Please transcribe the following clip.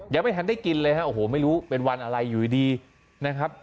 ยังไม่ทันได้กินเลยฮะโอ้โหไม่รู้เป็นวันอะไรอยู่ดีนะครับ